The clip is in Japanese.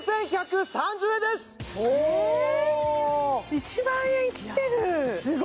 １万円切ってる！